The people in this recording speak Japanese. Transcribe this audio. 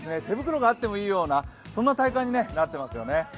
手袋があってもいいような体感になってますね。